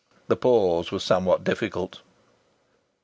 The pause was somewhat difficult.